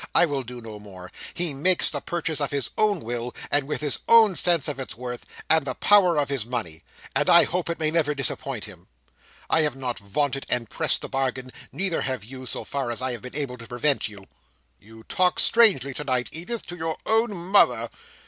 I will do no more. He makes the purchase of his own will, and with his own sense of its worth, and the power of his money; and I hope it may never disappoint him. I have not vaunted and pressed the bargain; neither have you, so far as I have been able to prevent you. "You talk strangely tonight, Edith, to your own Mother."